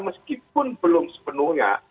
meskipun belum sepenuhnya